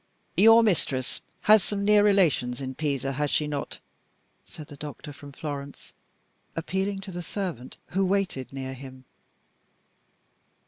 "Your mistress has some near relations in Pisa, has she not?" said the doctor from Florence, appealing to the servant who waited near him.